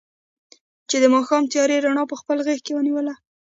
چې د ماښام تیارې رڼا په خپل غېږ کې ونیوله.